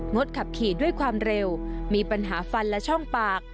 ดขับขี่ด้วยความเร็วมีปัญหาฟันและช่องปาก